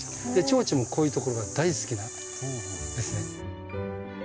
チョウチョもこういうところが大好きなんですね。